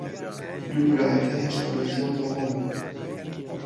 دوو برایەکە هێشتا لە ژیاندا ماون.